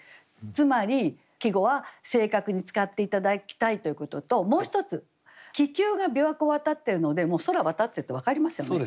つまり季語は正確に使って頂きたいということともう一つ気球が琵琶湖をわたってるので空わたってるって分かりますよね。